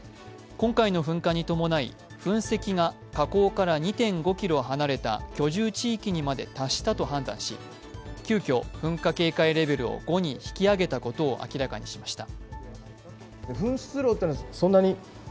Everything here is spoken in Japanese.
今回の噴火に伴い、噴石が火口から２．５ｋｍ離れた居住地域にまで達したと判断し急きょ、噴火警戒レベルを５に引き上げたことを明らかにしました。